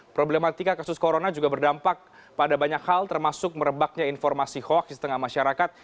problematika kasus corona juga berdampak pada banyak hal termasuk merebaknya informasi hoax di tengah masyarakat